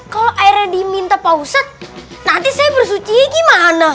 kalau airnya diminta pak ustadz nanti saya bersuci gimana